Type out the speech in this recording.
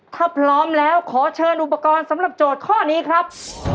ถ้าพร้อมแล้วขอเชิญอุปกรณ์สำหรับโจทย์ข้อนี้ครับ